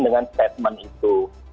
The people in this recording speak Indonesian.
dengan statement itu